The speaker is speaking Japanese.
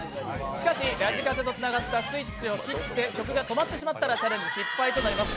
しかしラジカセとつながったスイッチを切って曲が止まってしまったらチャレンジ失敗となります。